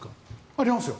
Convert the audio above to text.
ありますよ。